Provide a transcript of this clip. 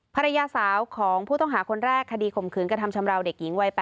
ภรรยาสาวของผู้ต้องหาคนแรกคดีข่มขืนกระทำชำราวเด็กหญิงวัย๘